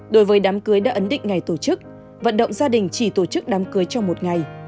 đối với đám cưới đã ấn định ngày tổ chức vận động gia đình chỉ tổ chức đám cưới trong một ngày